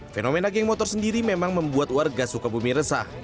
fenomena geng motor sendiri memang membuat warga sukabumi resah